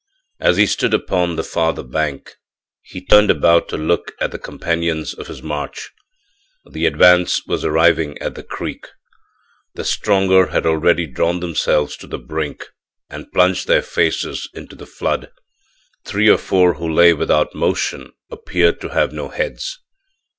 As he stood upon the farther bank he turned about to look at the companions of his march. The advance was arriving at the creek. The stronger had already drawn themselves to the brink and plunged their faces into the flood. Three or four who lay without motion appeared to have no heads.